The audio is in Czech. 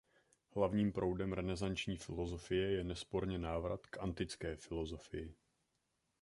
Hlavním proudem renesanční filosofie je nesporně návrat k antické filosofii.